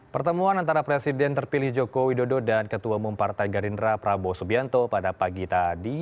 pertemuan antara presiden terpilih joko widodo dan ketua umum partai gerindra prabowo subianto pada pagi tadi